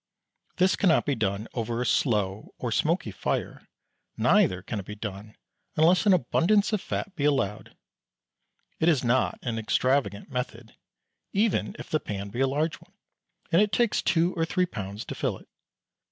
This cannot be done over a slow or smoky fire, neither can it be done unless an abundance of fat be allowed. It is not an extravagant method, even if the pan be a large one, and it takes two or three pounds to fill it.